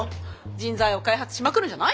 人材を開発しまくるんじゃない？